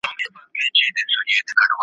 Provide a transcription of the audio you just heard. هلته ليري يوه ښار كي حكمران وو `